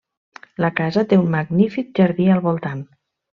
La casa té un magnífic jardí al voltant.